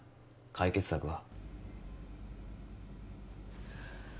解決策は？